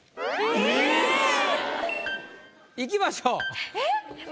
ええ！いきましょう。